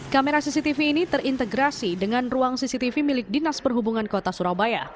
kamera cctv ini terintegrasi dengan ruang cctv milik dinas perhubungan kota surabaya